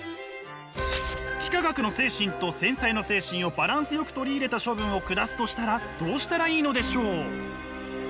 幾何学の精神と繊細の精神をバランスよく取り入れた処分を下すとしたらどうしたらいいのでしょう？